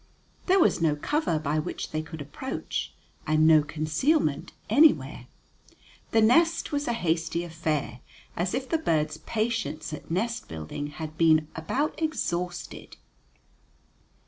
There was no cover by which they could approach, and no concealment anywhere. The nest was a hasty affair, as if the birds' patience at nest building had been about exhausted.